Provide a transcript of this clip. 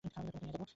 তোমাকেও নিয়ে যাবো।